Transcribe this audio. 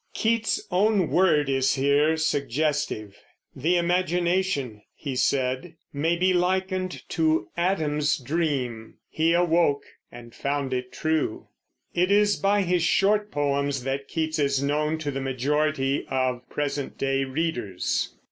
Keats's own word is here suggestive. "The imagination," he said, "may be likened to Adam's dream; he awoke and found it true." It is by his short poems that Keats is known to the majority of present day readers.